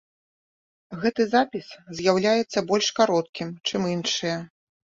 Гэты запіс з'яўляецца больш кароткім, чым іншыя.